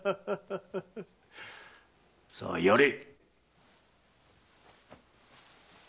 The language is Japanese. さあ殺れ！